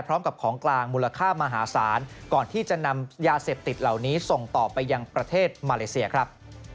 พร้อมกับของกลางมูลค่ามหาศาลก่อนที่จะนำยาเสพติดเหล่านี้ส่งต่อไปยังประเทศมาเลเซียครับ